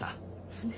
そうね。